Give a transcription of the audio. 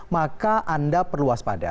maka anda perlu as pada